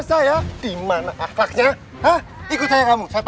berarti mereka nipu kita maret